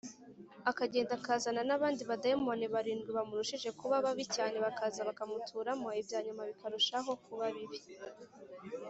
akagenda akazana abandi badayimoni barindwi bamurushije kuba babi cyane bakaza bakamuturamo ibyanyuma bikarushaho kuba bibi.